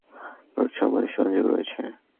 পৌরসভার সাথে হাতিয়ার প্রধান রোড সমূহের সংযোগ রয়েছে।